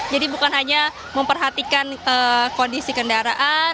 jadi bukan hanya memperhatikan kondisi kendaraan